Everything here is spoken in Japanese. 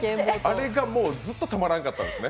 あれからずっと止まらなかったんですね。